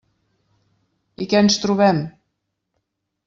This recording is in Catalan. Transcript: I què ens trobem?